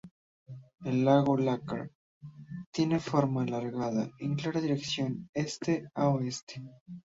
El lago Lácar tiene forma alargada, en clara dirección este a oeste.